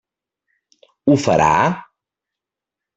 Ho farà?